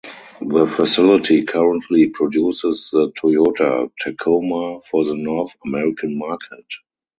The facility currently produces the Toyota Tacoma for the North American market.